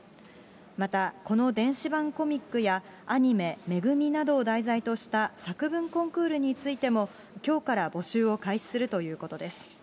また、この電子版コミックやアニメ、めぐみなどを題材とした作文コンクールについても、きょうから募集を開始するということです。